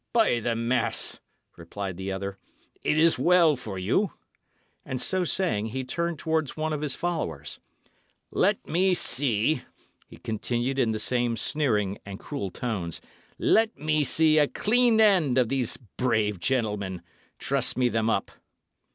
"By the mass!" replied the other, "it is well for you." And so saying, he turned towards one of his followers. "Let me see," he continued, in the same sneering and cruel tones "let me see a clean end of these brave gentlemen. Truss me them up."